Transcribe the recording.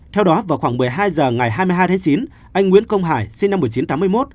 theo đó vào khoảng một mươi hai h ngày hai mươi hai tháng chín anh nguyễn công hải sinh năm một nghìn chín trăm tám mươi một